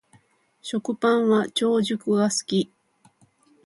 食パンは長熟が好き